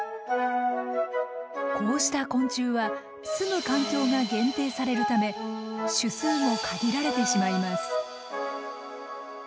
こうした昆虫はすむ環境が限定されるため種数も限られてしまいます。